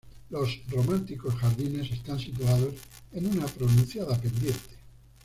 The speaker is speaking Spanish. Los románticos jardines están situados en una pronunciada pendiente.